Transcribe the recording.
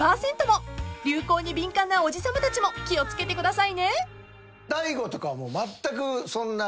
［流行に敏感なおじさまたちも気を付けてくださいね］